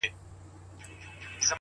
ژه دې اور لکه سکروټې د قلم سه گراني-